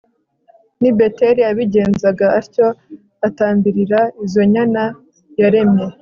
Ni Beteli yabigenzaga atyo atambirira izo nyana yaremye